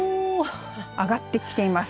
上がってきています。